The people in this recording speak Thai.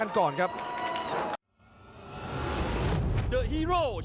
เอาหลุดครับเสียบเลยครับพักอ้าว